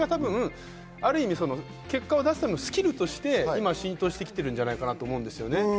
ある意味、結果を出すためのスキルとして今、浸透してきているのかなと思いますね。